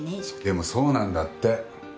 でもそうなんだって。